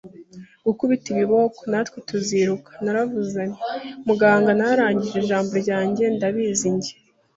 Gukubita ibiboko, natwe tuziruka. ” Navuze nti: “Muganga, nararangije ijambo ryanje.” “Ndabizi, njye